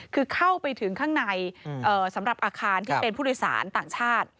คือเข้าไปถึงข้างในสำหรับอาคารที่เป็นผู้โดยสารต่างชาติ